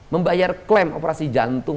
membayar klaim operasi jantung